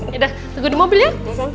ya dah tunggu di mobil ya